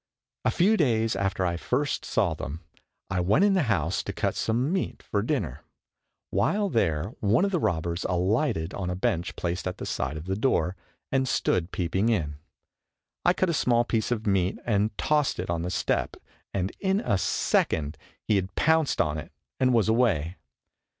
A few days after I first saw them, I went in the house to cut some meat for dinner; while there one of the robbers alighted on a bench placed at the side of the door, and stood peeping in. I cut a small piece of meat and tossed it on the step and in a second he had pounced on it and was away.